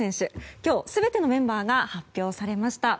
今日、全てのメンバーが発表されました。